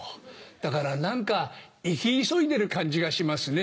だから何か生き急いでる感じがしますね。